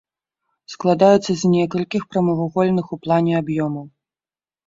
Складаецца з некалькіх прамавугольных ў плане аб'ёмаў.